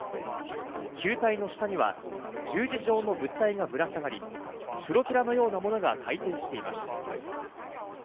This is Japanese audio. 球体の下には十字状の物体がぶら下がりプロペラのようなものが回転しています。